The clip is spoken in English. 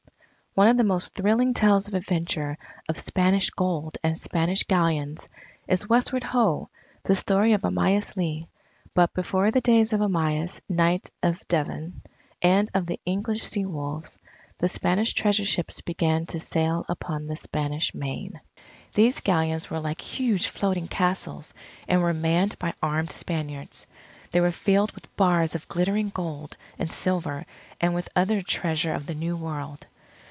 One of the most thrilling tales of adventure, of Spanish Gold and Spanish Galleons, is "Westward Ho!" the story of Amyas Leigh. But before the days of Amyas, Knight of Devon, and of the English Seawolves, the Spanish Treasure Ships began to sail upon the Spanish Main. These Galleons were like huge floating castles, and were manned by armed Spaniards. They were filled with bars of glittering gold and silver and with other treasure of the New World.